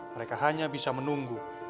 mereka hanya bisa menunggu